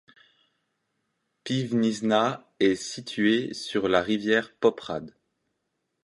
Piwniczna est située sur la rivière Poprad.